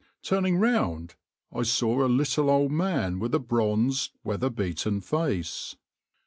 Turning round I saw a little, old man with a bronzed, weather beaten face.